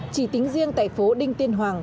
chỉ tính riêng tại phố đinh tiên hoàng